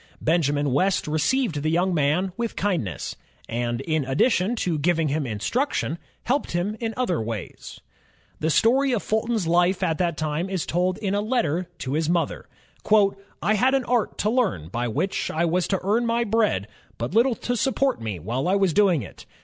Benjamin West received the young man with kindness, and in addition to giving him instruction, helped him in other ways. The story of Fulton's life at that time is told in a letter to his mother. ''I had an art to learn by which I was to ROBERT FULTON 35 earn my bread, but little to support me while I was doing it.